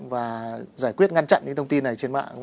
và giải quyết ngăn chặn những thông tin này trên mạng